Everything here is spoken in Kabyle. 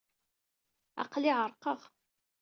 Aql-i ɛerqeɣ.